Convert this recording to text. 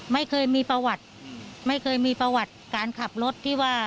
ไม่เคยมีประวัติการขับรถที่ว่า